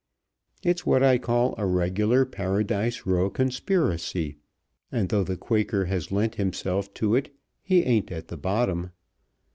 It's what I call a regular Paradise Row conspiracy, and though the Quaker has lent himself to it, he ain't at the bottom.